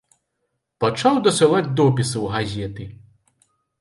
Пачаў дасылаць допісы ў газеты.